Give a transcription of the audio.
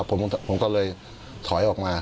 ผมก็เลยถอยออกมา